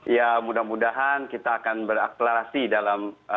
ya mudah mudahan kita akan beraklarasi dalam